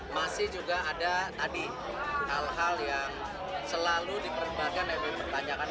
masih juga ada tadi hal hal yang selalu dipertimbangkan dan dipertanyakan